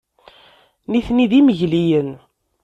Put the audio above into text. Nitni d imegliyen.